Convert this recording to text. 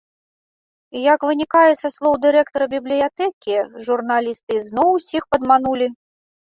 Як вынікае са слоў дырэктаркі бібліятэкі, журналісты ізноў усіх падманулі.